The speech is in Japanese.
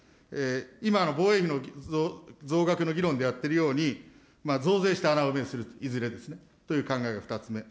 今の防衛費の増額の議論でやっているように、増税して穴埋めをすると、いずれですね、という考えが２つ目。